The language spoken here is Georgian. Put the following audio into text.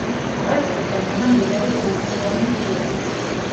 კვერცხი შედგება მდიდარი სრულფასოვანი ცილებით.